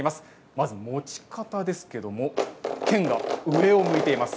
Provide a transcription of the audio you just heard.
まず持ち方ですけれども剣が上を向いています。